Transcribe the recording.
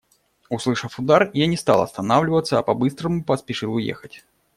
Услышав удар, я не стал останавливаться, а по-быстрому поспешил уехать.